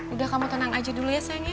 udah kamu tenang aja dulu ya sayangnya